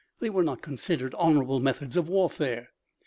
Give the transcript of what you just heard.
They were not considered honourable methods of warfare.